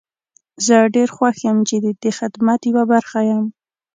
زه ډير خوښ يم چې ددې خدمت يوه برخه يم.